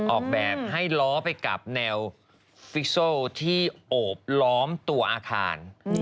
ออกแบบให้ล้อไปกับแนวฟิกโซลที่โอบล้อมตัวอาคาร